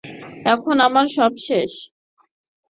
এখন আমার সব শেষ।